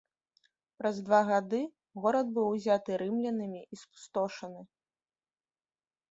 Праз два гады горад быў узяты рымлянамі і спустошаны.